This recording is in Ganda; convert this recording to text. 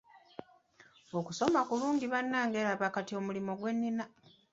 Okusoma kulungi bannange laba kati omulimu gwe nnina.